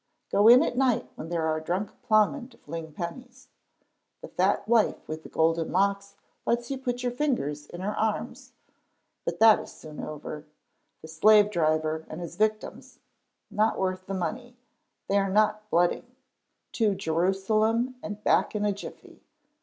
Go in at night when there are drunk ploughmen to fling pennies. The Fat Wife with the Golden Locks lets you put your fingers in her arms, but that is soon over. 'The Slave driver and his Victims.' Not worth the money; they are not blooding. To Jerusalem and Back in a Jiffy.